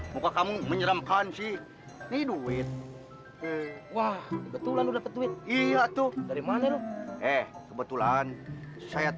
muka kamu menyeramkan sih ini duit wah kebetulan udah ketuit iya tuh dari mana eh kebetulan saya